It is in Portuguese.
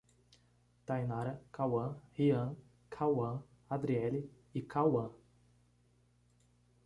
Tainara, Cauã, Rian, Kauan, Adriele e Kauã